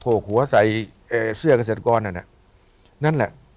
โผกหัวใส่เสื้อเกษตรกรอ่ะนะนั้นแหละ